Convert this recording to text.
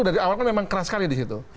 dari awal kan memang keras sekali di situ